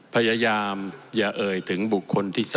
พยายามอย่าเอ่ยถึงบุคคลที่๓